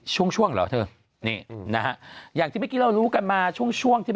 ช่วงช่วงเหรอเธอนี่นะฮะอย่างที่เมื่อกี้เรารู้กันมาช่วงช่วงที่